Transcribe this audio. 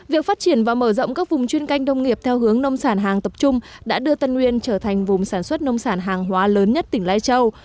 việc phát triển và mở rộng các vùng chuyên canh nông nghiệp theo hướng nông sản hàng tập trung đã đưa tân nguyên trở thành vùng sản xuất nông sản hàng hóa lớn nhất tỉnh lai châu